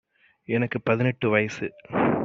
எனக்கு பதினெட்டு வயசு.